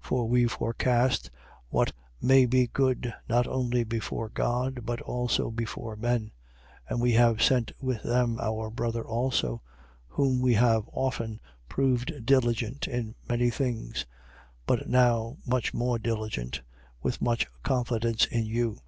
8:21. For we forecast what may be good, not only before God but also before men. 8:22. And we have sent with them our brother also, whom we have often proved diligent in many things, but now much more diligent: with much confidence in you, 8:23.